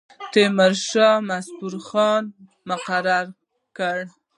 تیمورشاه مظفر خان مقرر کړ.